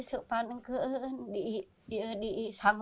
itu anak kita otra